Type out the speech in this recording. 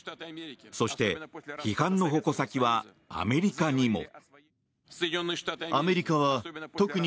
そして批判の矛先はアメリカにも。